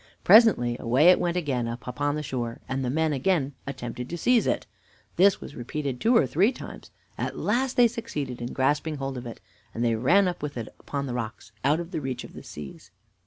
Presently away it went again up upon the shore, and the men again attempted to seize it. This was repeated two or three times. At last they succeeded in grasping hold of it, and they ran up with it upon the rocks, out of the reach of the seas.